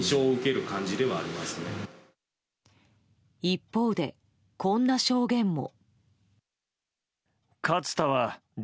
一方で、こんな証言も。